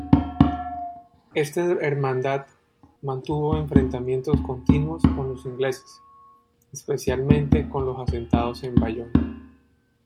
Esta Hermandad mantuvo enfrentamientos continuos con los ingleses, especialmente con los asentados en Bayona.